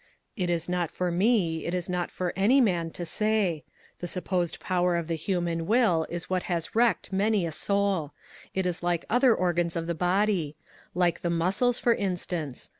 "It is not for me, it is not for any man, to say ; the supposed power of the human will is what has wrecked many a soul. It is like other organs of the body ; like the muscles, for instance.